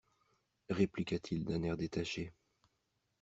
Répliqua-t-il d'un air détaché.